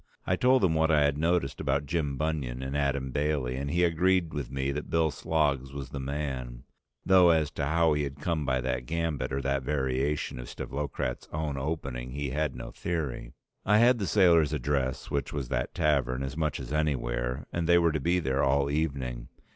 I told him what I had noticed about Jim Bunion and Adam Bailey, and he agreed with me that Bill Sloggs was the man, though as to how he had come by that gambit or that variation of Stavlokratz's own opening he had no theory. I had the sailors' address which was that tavern as much as anywhere, and they were to be there all evening.